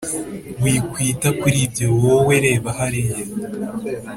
Wikwita kuribyo wowe reba hariya